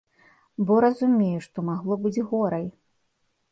Бо разумею, што магло быць горай.